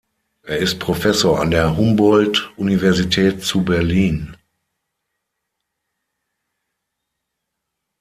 Er ist Professor an der Humboldt-Universität zu Berlin.